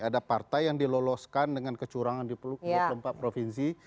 ada partai yang diloloskan dengan kecurangan di dua puluh empat provinsi